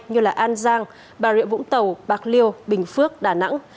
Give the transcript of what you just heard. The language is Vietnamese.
như an giang bà rịa vũng tàu bạc liêu bình phước đà nẵng